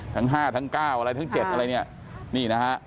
ทั้ง๕ทั้ง๙อะไรทั้ง๗อะไรนี่